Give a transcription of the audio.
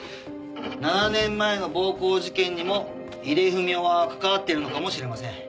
７年前の暴行事件にも井出文雄は関わっているのかもしれません。